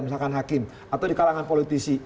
misalkan hakim atau di kalangan politisi